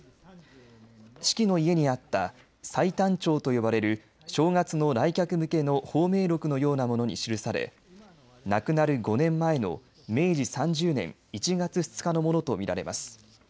子規の家にあった歳旦帳と呼ばれる正月の来客向けの芳名録のようなものに記され亡くなる５年前の明治３０年１月２日のものと見られます。